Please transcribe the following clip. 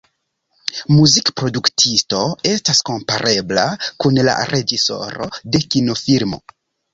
Muzikproduktisto estas komparebla kun la reĝisoro de kinofilmo.